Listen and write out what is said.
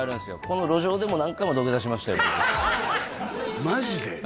この路上でも何回も土下座しましたよマジで？